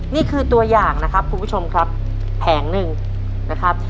นี่คือตัวอย่างนะครับคุณผู้ชมครับแผงหนึ่งนะครับ